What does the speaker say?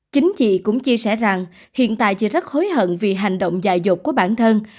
chính chị cũng chia sẻ rằng hiện tại chị rất hối hận vì hành động dài dột của bản thân